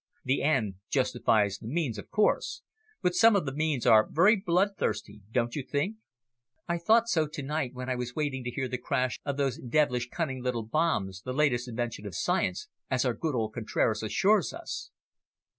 The end justifies the means, of course, but some of the means are very bloodthirsty, don't you think?" "I thought so to night, when I was waiting to hear the crash of those devilish, cunning little bombs, the latest invention of science, as our good old Contraras assures us."